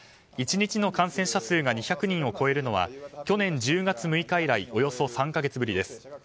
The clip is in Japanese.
１日の感染者数が２００人を超えるのは去年１０月６日以来およそ３か月ぶりです。